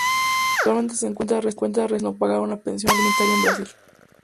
Actualmente se encuentra arrestado tras no pagar una pensión alimentaria en Brasil.